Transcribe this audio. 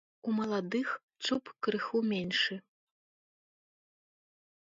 У маладых чуб крыху меншы.